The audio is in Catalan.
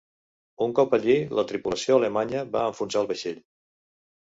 Un cop allí, la tripulació alemanya va enfonsar el vaixell.